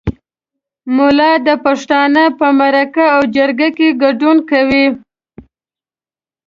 ملا د پښتانه په مرکه او جرګه کې ګډون کوي.